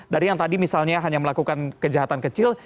dari yang tadi misalnya hanya melakukan kejahatan kecil